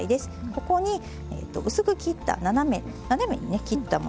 ここに薄く切った斜めに切ったものですね。